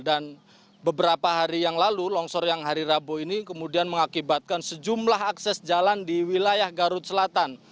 dan beberapa hari yang lalu longsor yang hari rabu ini kemudian mengakibatkan sejumlah akses jalan di wilayah garut selatan